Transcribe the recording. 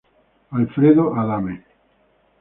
Alfredo Adame.